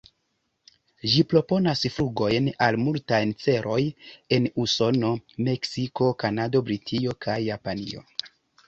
Ĝi proponas flugojn al multaj celoj en Usono, Meksiko, Kanado, Britio, kaj Japanio.